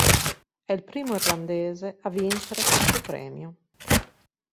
È il primo irlandese a vincere questo premio.